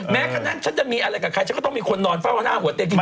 แม้ฉันมีอะไรกันต้องมีคนนอนฝ้าหัวทาง